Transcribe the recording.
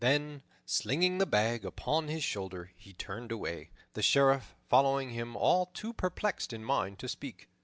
Then, slinging the bag upon his shoulder, he turned away, the Sheriff following him, all too perplexed in mind to speak.